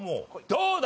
どうだ？